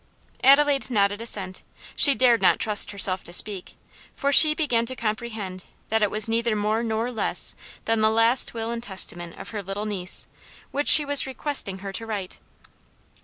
Adelaide nodded assent; she dared not trust herself to speak, for she began to comprehend that it was neither more nor less than the last will and testament of her little niece, which she was requesting her to write.